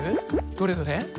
どれどれ。